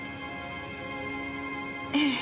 ええ。